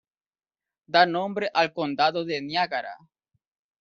Da nombre al condado de Niágara.